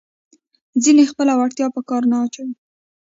ځینې خپله وړتیا په کار نه اچوي.